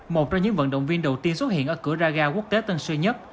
một trong những vận động viên đầu tiên xuất hiện ở cửa raga quốc tế tân sơn nhất